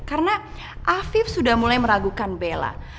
karena afif sudah mulai meragukan bella